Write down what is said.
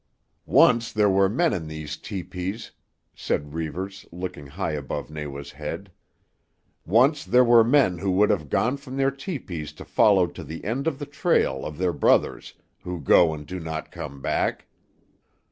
"Once there were men in these tepees," said Reivers, looking high above Nawa's head. "Once there were men who would have gone from their tepees to follow to the end the trail of their brothers who go and do not come back.